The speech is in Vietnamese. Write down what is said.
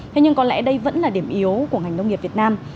thế nhưng có lẽ đây vẫn là điểm yếu của ngành nông nghiệp việt nam